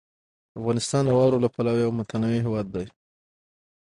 افغانستان د واورو له پلوه یو متنوع هېواد دی.